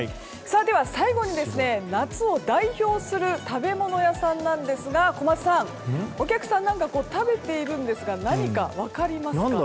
最後に、夏を代表する食べ物屋さんなんですが小松さん、お客さんが何か食べていますが何か分かりますか？